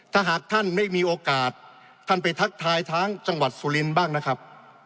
ถ้าหากท่านไม่มีโอกาสท่านไปทักทายทั้งจังหวัดสุรินทร์บ้างนะครับ